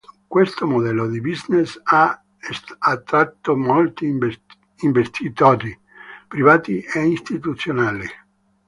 Questo modello di business ha attratto molti investitori, privati e istituzionali.